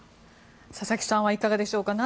佐々木さんはいかがでしょう。